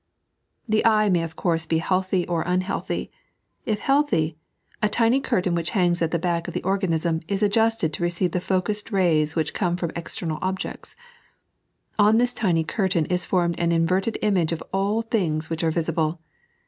The eye may of course be healthy or unhealthy. If healthy, a tiny curtain which fauigs at the back of the i^anism is adjusted to receive the focussed rays which oome from external objects. On this tiny curtain is formed an inverted image of all things which are visible.